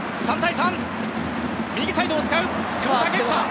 ３対３。